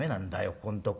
ここんとこ。